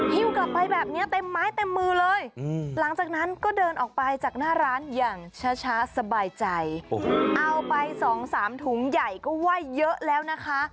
ฮิ้วกลับไปแบบนี้เต็มไม้เต็มมือเลยหลังจากนั้นก็เดินออกไปจากหน้าร้านอย่างช้าสบายใจเอาไปสองสามถุงใหญ่ก็ไหว้เยอะแล้วนะคะ